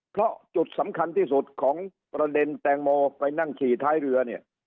เพราะจุดสำคัญที่สุดของประเด็นแตงโมไปนั่งฉี่ท้ายเรือเนี่ย